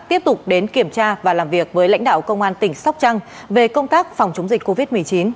tiếp tục đến kiểm tra và làm việc với lãnh đạo công an tỉnh sóc trăng về công tác phòng chống dịch covid một mươi chín